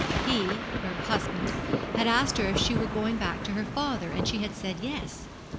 He her husband had asked her if she were going back to her father, and she had said 'Yes.'